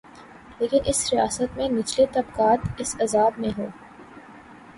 لیکن اس ریاست میں نچلے طبقات اس عذاب میں ہوں۔